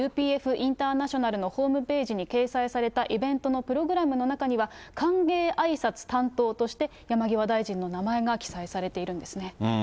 インターナショナルのホームページに掲載されたイベントのプログラムの中には、歓迎あいさつ担当として山際大臣の名前が記載されているんですね。